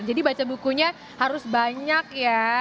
jadi baca bukunya harus banyak ya